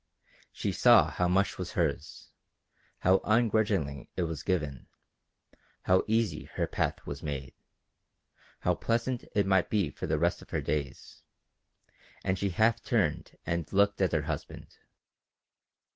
She saw how much was hers, how ungrudgingly it was given, how easy her path was made, how pleasant it might be for the rest of her days, and she half turned and looked at her husband.